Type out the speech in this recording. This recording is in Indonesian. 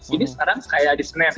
ini sekarang kayak di snap